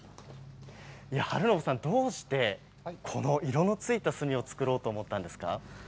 晴信さん、どうしてこの色のついた墨を作ろうと思ったんですか？